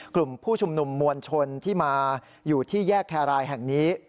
กลุ่มผู้ชุมนุมมวลชนที่มาอยู่ที่แยกแครรายแห่งนี้